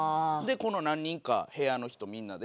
この何人か部屋の人みんなで。